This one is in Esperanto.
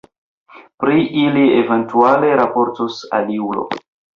Pri ili eventuale raportos aliulo.